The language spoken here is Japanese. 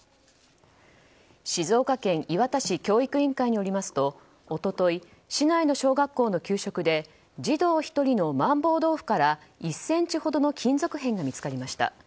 静岡県磐田市教育委員会によりますとおととい市内の小学校の給食で児童１人の麻婆豆腐から１ｃｍほどの金属片が見つかりました。